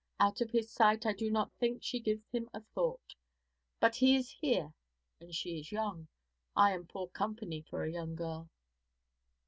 Out of his sight I do not think she gives him a thought. But he is here, and she is young. I am poor company for a young girl.'